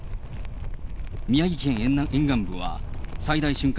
宮城県沿岸部は最大瞬間